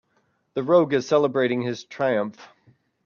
The rogue is celebrating his triumph.